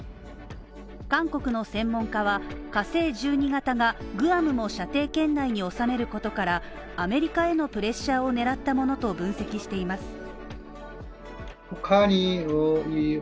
韓国の専門家は火星１２型がグアムを射程圏内に収めることからアメリカへのプレッシャーを狙ったものと分析しています。